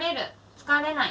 疲れない？